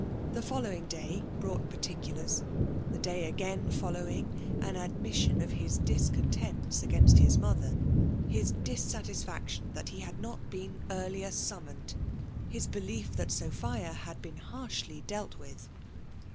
The following day brought, particulars; the day again following, an ad mission of hia discontents against his mother ; his dissatisfaction that he had not been earlier summoned* — his belief that Sophia had been harshly dealt with.